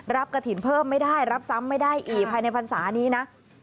กระถิ่นเพิ่มไม่ได้รับซ้ำไม่ได้อีกภายในพรรษานี้นะ